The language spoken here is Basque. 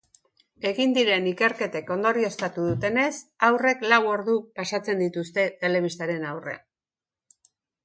Egin diren ikerketek ondorioztatu dutenez, haurrek lau ordu pasatzen dituzte telebistaren aurrean.